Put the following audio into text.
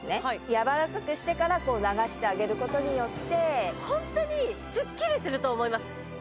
やわらかくしてからこう流してあげることによってホントにスッキリすると思います